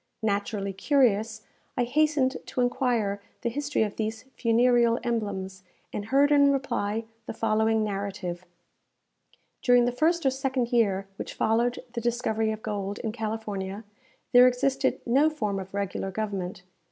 Naturally curious, I hastened to enquire the history of these funereal emblems, and heard in reply the following narrative: During the first or second year which followed the discovery of gold in California, there existed no form of regular government.